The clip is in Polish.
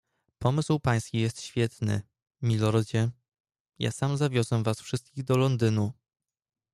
"Pomysł pański jest świetny, milordzie, ja sam zawiozę was wszystkich do Londynu."